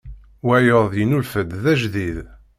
Wayeḍ yennulfa-d d ajdid.